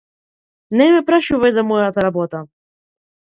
Не ме прашувај за мојата работа.